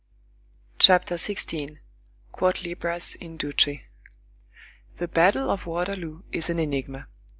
CHAPTER XVI—QUOT LIBRAS IN DUCE? The battle of Waterloo is an enigma.